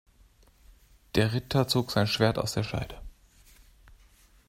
Der Ritter zog sein Schwert aus der Scheide.